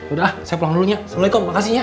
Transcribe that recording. udah saya pulang dulunya assalamualaikum makasih ya